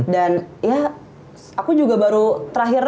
dan ya aku juga baru terakhir